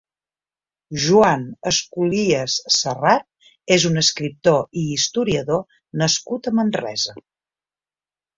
Joan Esculies Serrat és un escriptor i historiador nascut a Manresa.